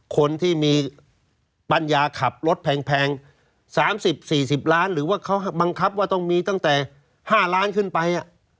คนที่มีปัญญาขับรถแพง๓๐๔๐ล้านหรือว่าเขาบังคับว่าต้องมีตั้งแต่๕ล้านขึ้นไป